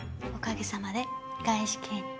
おかげさまで外資系に。